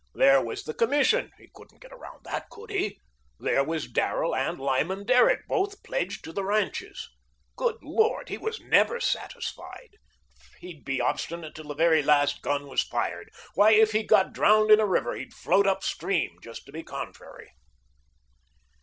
There was the Commission. He couldn't get around that, could he? There was Darrell and Lyman Derrick, both pledged to the ranches. Good Lord, he was never satisfied. He'd be obstinate till the very last gun was fired. Why, if he got drowned in a river he'd float upstream just to be contrary.